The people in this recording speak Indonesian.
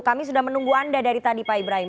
kami sudah menunggu anda dari tadi pak ibrahim